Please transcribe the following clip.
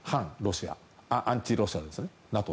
アンチロシアですね。